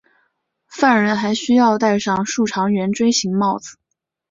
犯人还需要戴上竖长圆锥形帽子。